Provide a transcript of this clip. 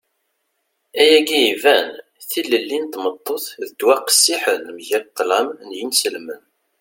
ayagi iban. tilelli n tmeṭṭut d ddwa qqessiḥen mgal ṭṭlam n yinselmen